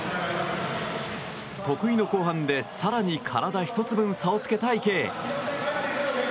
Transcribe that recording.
得意の後半で更に体１つ分差をつけた池江。